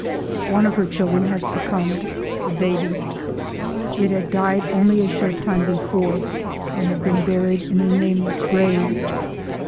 One of her children had succumbed, the baby. It had died only a short time before and had been buried in a nameless grave.